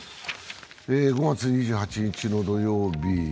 ５月２８日の土曜日。